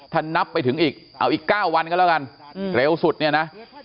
ถ้านับไปถึงอีก๙วันก็แล้วกันเร็วสุดนี่นะ